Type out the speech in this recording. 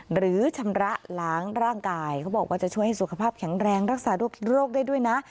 หรือชำระล้างร่างกายเขาบอกว่าจะช่วยให้สุขภาพแข็งแรงรักษาโรคได้ด้วยนะ